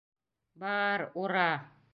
Ба-ар, ур-ра!